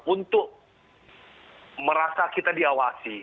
untuk merasa kita diawasi